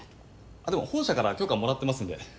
あっでも本社から許可はもらってますんで。